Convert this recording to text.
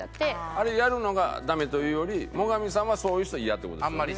あれやるのがダメというより最上さんはそういう人イヤって事ですよね？